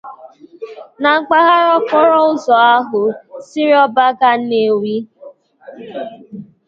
na mpaghara okporo ụzọ ahụ siri Oba gaa Nnewi.